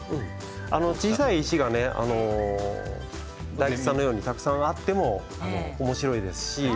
小さい石が大吉さんのようにたくさんあってもおもしろいですね。